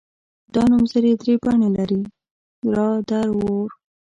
دا نومځري درې بڼې لري را در ور.